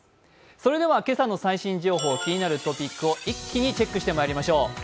それでは、今朝の最新情報、気になるトピックを一気にチェックしてまいりましょう。